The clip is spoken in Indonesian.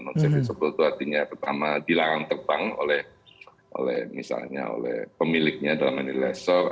non serviceable itu artinya pertama dilarang terbang oleh misalnya oleh pemiliknya dalam hal ini laser